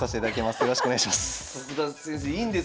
よろしくお願いします。